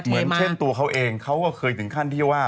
เหมือนเช่นตัวเขาเองเขาก็เคยถึงขั้นที่ว่า